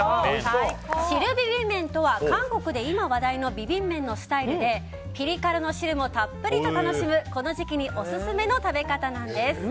汁ビビン麺とは韓国で今、話題のビビン麺のスタイルでピリ辛の汁もたっぷりと楽しむこの時期にオススメの食べ方なんです。